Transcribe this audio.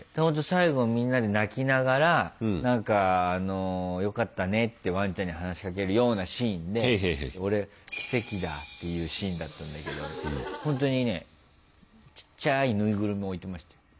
最後みんなで泣きながら何かよかったねってワンちゃんに話しかけるようなシーンで俺「奇跡だぁ」って言うシーンだったけどほんとにねちっちゃい縫いぐるみ置いてましたよ。